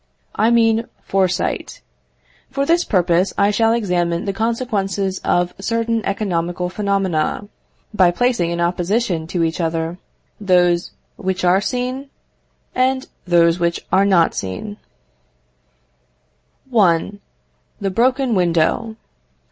I mean Foresight. For this purpose I shall examine the consequences of certain economical phenomena, by placing in opposition to each other those which are seen, and those which are not seen. I. The Broken Window.